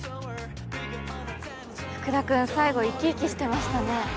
福田君最後生き生きしてましたね。